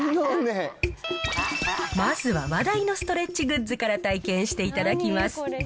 まずは話題のストレッチグッズから体験していただきます。